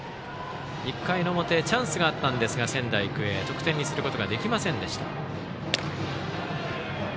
１回の表はチャンスがあったんですが仙台育英、得点にすることができませんでした。